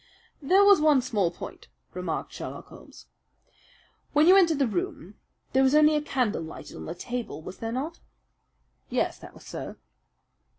"There was one small point," remarked Sherlock Holmes. "When you entered the room there was only a candle lighted on the table, was there not?" "Yes, that was so."